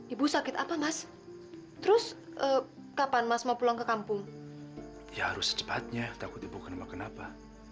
ibu sakit apa mas terus kapan mas mau pulang ke kampung ya harus secepatnya takut ibu kenapa